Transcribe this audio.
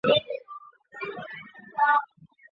太极殿是紫禁城内廷西六宫之一。